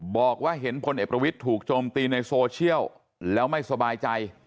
บอกว่าเห็นพลเอกประวิทย์ถูกโจมตีในโซเชียลแล้วไม่สบายใจ